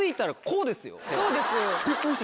そうですよ。